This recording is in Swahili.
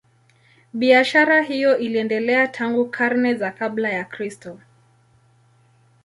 Biashara hiyo iliendelea tangu karne za kabla ya Kristo.